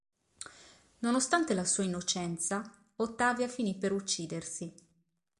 Nonostante la sua innocenza, Ottavia finì per uccidersi.